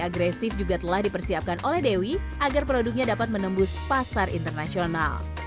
agresif juga telah dipersiapkan oleh dewi agar produknya dapat menembus pasar internasional